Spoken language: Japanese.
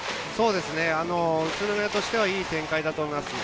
宇都宮としては良い展開だと思います。